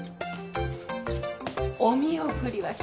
お見送りは結構。